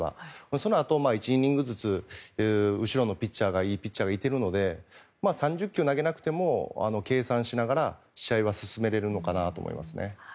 そのあと、１イニングずつ後ろのピッチャーがいいピッチャーがいてるので３０球投げなくても計算しながら、試合は進められるのかなと思いますね。